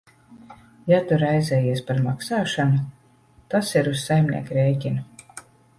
Ja tu raizējies par maksāšanu, tas ir uz saimnieka rēķina.